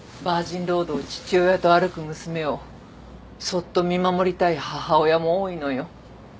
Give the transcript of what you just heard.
バージンロードを父親と歩く娘をそっと見守りたい母親も多いのよ。